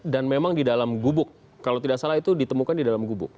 dan memang di dalam gubuk kalau tidak salah itu ditemukan di dalam gubuk